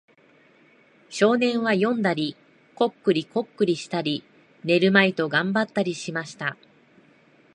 少年は読んだり、コックリコックリしたり、眠るまいと頑張ったりしました。